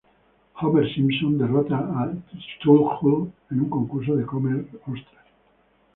Homer Simpson derrota a Cthulhu en un concurso de comer ostras.